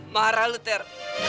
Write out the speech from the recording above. marah kamu ter